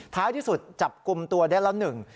ท้ายที่สุดจับกลุ่มตัวได้แล้วหนึ่ง